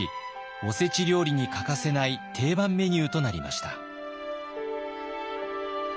おせち料理に欠かせない定番メニューとなりました。